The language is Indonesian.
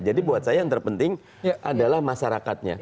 jadi buat saya yang terpenting adalah masyarakatnya